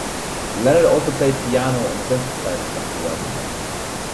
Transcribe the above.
Leonard also played piano and synthesizers on the album.